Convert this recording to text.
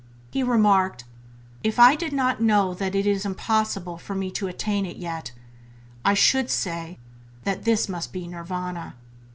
He remarked: "If I did not know that it is impossible for me to attain it yet, I should say that this must be Nirvana."